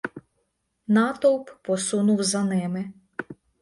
Натовп посунув за ними.